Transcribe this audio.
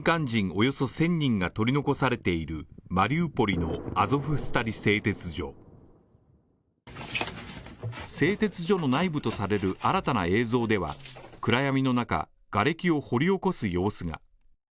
およそ１０００人が取り残されているマリウポリのアゾフスタリ製鉄所製鉄所の内部とされる新たな映像では、暗闇の中、がれきを掘り起こす様子が。